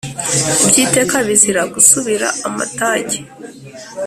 byiteka bizira gusubira amatage: